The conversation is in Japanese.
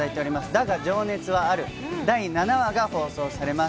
だが、情熱はある、第７話が放送されます。